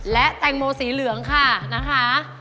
และแตงโมสีเหลืองค่ะนะคะ